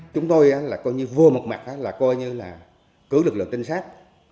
chúng tôi là coi như vô một mặt là coi như là cứ lực lượng trinh sát